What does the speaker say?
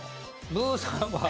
ブーさんは。